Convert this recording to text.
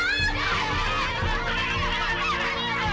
jangan jangan jangan